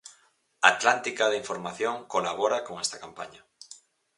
Atlántica de Información colabora con esta campaña.